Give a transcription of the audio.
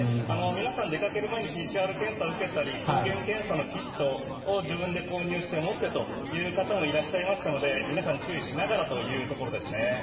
皆さん出かける前にＰＣＲ検査を受けたり抗原検査のキットを自分で購入して持ってという方もいらっしゃいましたので皆さん、注意しながらというところですね。